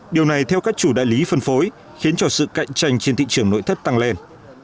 điều này theo các chủ đại lý phân phối khiến cho sự cạnh tranh trên thị trường nội thất tăng lên